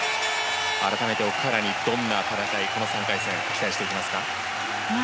改めて奥原に、今日の大会どんな戦いを、この３回戦期待していきますか？